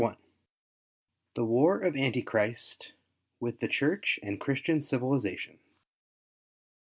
THE WAR OF ANTICHRIST WITH THE CHURCH AND CHRISTIAN CIVILIZATION.